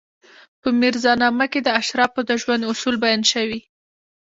په میرزا نامه کې د اشرافو د ژوند اصول بیان شوي.